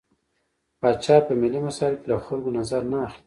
پاچا په ملي مسايلو کې له خلکو نظر نه اخلي.